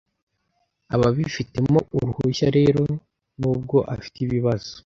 ababifitemo uruhushya Rero nubwo afite ibibazo